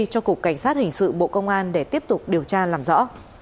cho cục cảnh sát hình sự bộ công an để tiếp tục điều tra làm rõ